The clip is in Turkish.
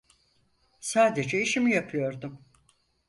Sadece işimi yapıyordum.